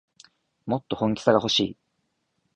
もっと本気さがほしい